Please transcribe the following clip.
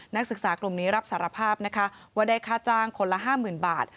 นักศึกษากลุ่มนี้รับสารภาพนะคะว่าได้ค่าจ้างคนละ๕๐๐๐บาท